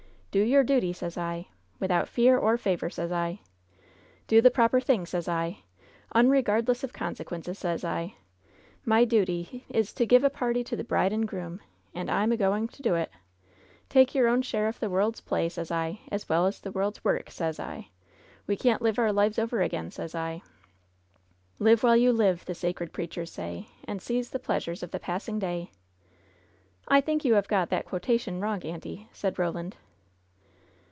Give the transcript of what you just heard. Do your duty, sez I! Without fear or favor, sez I f Do the proper thing, sez 1 1 unregardless of consequences, sez 1 1 My duty is to LOVE'S BITTEREST CUP 6 give a party to the bride and groom, and I'm a going to do it I Take your own share of the world's play, sez I, as well as the world's work, sez 1 1 We can't live our lives over again, sez 1 1 ^' Tive while you live, the sacred preachers say. And seize the pleasures of the passing day.' " "I think you have got that quotation wrong, auntie," said Eoland.